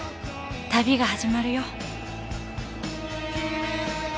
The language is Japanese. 旅が始まるよ。